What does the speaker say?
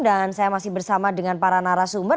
dan saya masih bersama dengan para narasumber